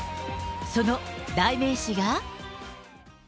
その代名詞が。